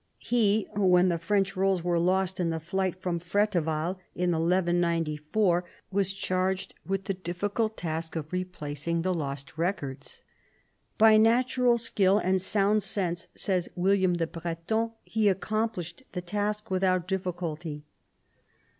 He, when the French rolls were lost in the flight from Freteval in 1194, was charged with the difficult task of replacing the lost records. By natural skill and sound sense, says William the Breton, he accomplished the task without difficulty.